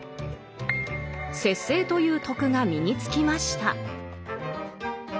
節制という「徳」が身につきました。